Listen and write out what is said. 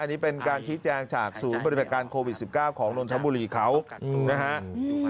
อันนี้เป็นการชี้แจงจากศูนย์ปฏิบัติการโควิด๑๙ของนนทบุรีเขานะฮะ